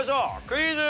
クイズ。